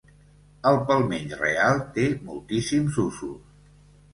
El palmell real té moltíssims usos.